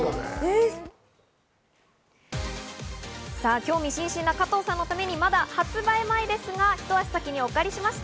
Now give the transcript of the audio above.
興味津々な加藤さんのために、まだ発売前ですが、一足先にお借りしました。